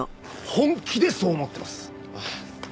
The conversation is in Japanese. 本気でそう思ってます。